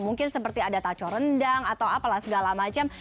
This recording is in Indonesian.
mungkin seperti ada taco rendang atau apalah segala macam